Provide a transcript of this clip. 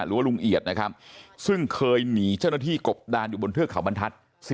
ลุงเอียดนะครับซึ่งเคยหนีเจ้าหน้าที่กบดานอยู่บนเทือกเขาบรรทัศน์